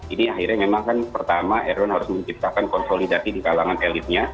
ini akhirnya memang kan pertama erwin harus menciptakan konsolidasi di kalangan elitnya